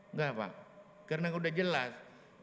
enggak pak karena udah jelas